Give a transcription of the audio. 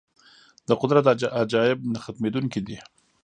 د قدرت عجایب نه ختمېدونکي دي.